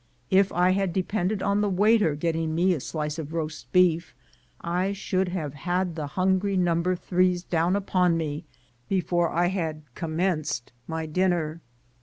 If I had depended on the waiter getting me a slice of roast beef, I should have had the hungry number threes down upon me before I had commenced my dinner.